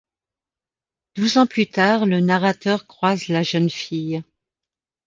Douze ans plus tard, le narrateur croise la jeune fille.